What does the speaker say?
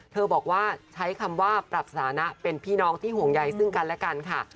บอกว่าใช้คำว่าปรับสถานะเป็นพี่น้องที่ห่วงใยซึ่งกันและกันค่ะ